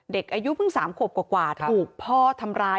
เด็กอายุเพิ่ง๓ขวบกว่าถูกพ่อทำร้าย